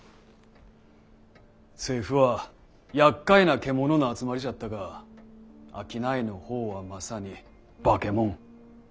政府は厄介な獣の集まりじゃったが商いの方はまさに化け物。